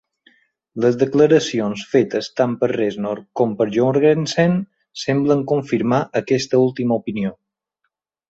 Les declaracions fetes tant per Reznor com per Jourgensen semblen confirmar aquesta última opinió.